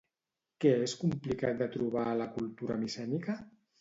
Què és complicat de trobar a la cultura micènica?